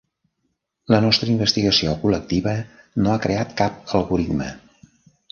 La nostra investigació col·lectiva no ha creat cap algoritme.